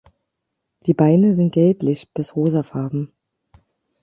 Die Beine sind gelblich bis rosafarben.